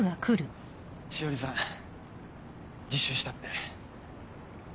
詩織さん自首したって。